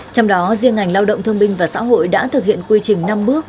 trong đó riêng ngành lao động thương binh và xã hội đã thực hiện quy trình năm bước